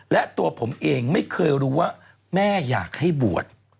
และตัวผมเองไม่เคยรู้ว่าแม่อยากให้บวช